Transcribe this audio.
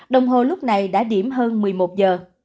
đồng hồ lúc này đã điểm hơn một mươi một giờ